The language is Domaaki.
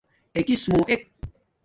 اکیس مُو ایک